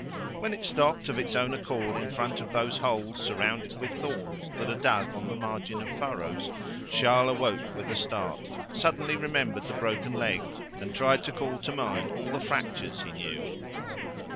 When it stopped of its own accord in front of those holes surrounded with thorns that are dug on the margin of furrows, Charles awoke with a start, suddenly remembered the broken leg, and tried to call to mind all the fractures he knew.